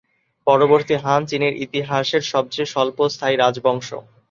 পরবর্তী হান চীনের ইতিহাসের সবচেয়ে স্বল্পস্থায়ী রাজবংশ।